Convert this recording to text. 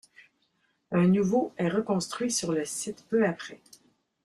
Un nouveau est reconstruit sur le site peu après.